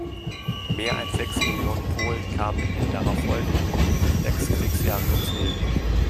Mehr als sechs Millionen Polen kamen in den darauf folgenden sechs Kriegsjahren ums Leben.